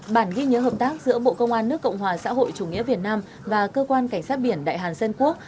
bản ghi nhớ hợp tác giữa bộ công an nước cộng hòa xã hội chủ nghĩa việt nam và cơ quan cảnh sát biển đại hàn dân quốc